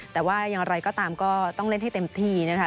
แต่ว่าอย่างไรก็ตามก็ต้องเล่นให้เต็มที่นะคะ